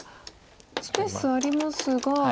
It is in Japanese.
スペースありますが。